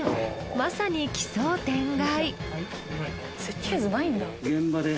まさに奇想天外。